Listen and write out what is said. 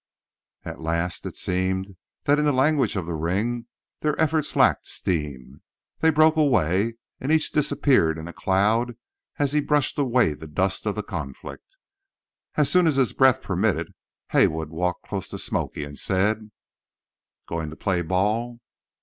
At last, it seemed that in the language of the ring, their efforts lacked steam. They broke away, and each disappeared in a cloud as he brushed away the dust of the conflict. As soon as his breath permitted, Haywood walked close to "Smoky" and said: "Going to play ball?"